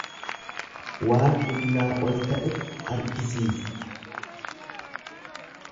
Waan humnaa ol ta'e argisiisa.